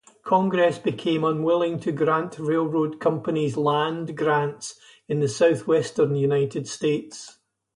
Congress became unwilling to grant railroad companies land grants in the Southwestern United States.